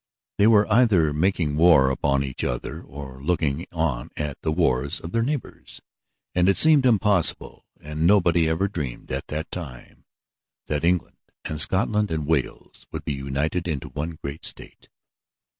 They were either making war upon each other, or looking on at the wars of their neighbors; and it seemed impossible, and nobody ever dreamed at that time, that England and Scotland and Wales would be united into one great state.